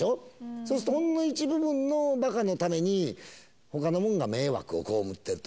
そうすると、ほんの一部分のばかのために、ほかのもんが迷惑を被ってると。